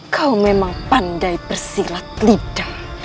kau memang pandai bersilat lidah